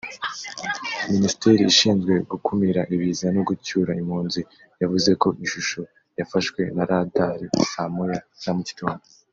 Minisiteri ishinzwe gukumira ibiza no gucyura impunzi yavuze ko ishusho yafaswe na Radar saa moya za mu gitondo